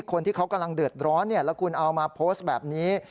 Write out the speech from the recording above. คนที่เขากำลังเดือดร้อนแล้วคุณเอามาโพสต์แบบนี้